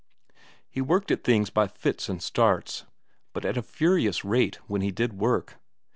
He worked at things by fits and starts, but at a furious rate when he did work.